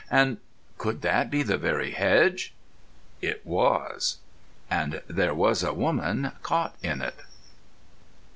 And—could that be the very hedge? It was. And there was a woman caught in it.